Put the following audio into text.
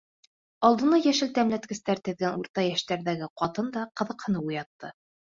Алдына йәшел тәмләткестәр теҙгән урта йәштәрҙәге ҡатын да ҡыҙыҡһыныу уятты.